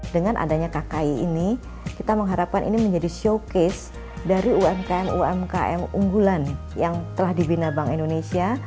dengan adanya kki ini kita mengharapkan ini menjadi showcase dari umkm umkm unggulan yang telah dibina bank indonesia